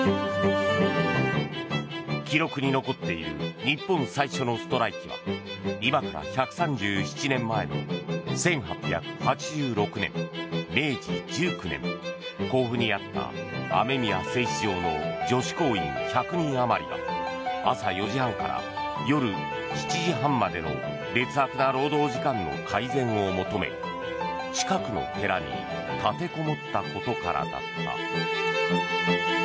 記録に残っている日本最初のストライキは今から１３７年前の１８８６年明治１９年甲府にあった雨宮製糸場の女子工員１００人あまりが朝４時半から夜７時半までの劣悪な労働時間の改善を求め近くの寺に立てこもったことからだった。